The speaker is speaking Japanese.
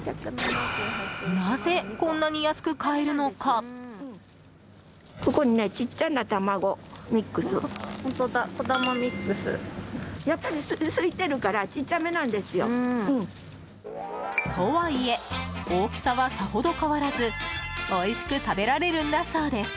なぜこんなに安く買えるのか。とはいえ大きさはさほど変わらずおいしく食べられるんだそうです。